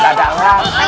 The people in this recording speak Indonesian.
tadi udah kayak kemoceng